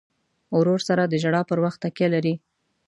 ورور سره د ژړا پر وخت تکیه لرې.